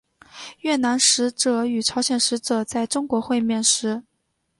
越南使者与朝鲜使者在中国会面时。